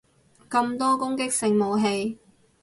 咁多攻擊性武器